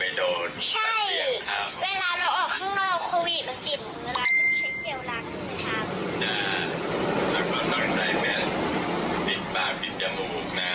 ใช่แล้วก็ต้องใส่แม่ติดปากติดจมูกนะ